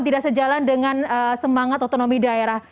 tidak sejalan dengan semangat otonomi daerah